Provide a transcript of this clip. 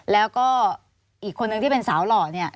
แล้วก็อีกคนนึงที่เป็นสาวหล่อเนี่ย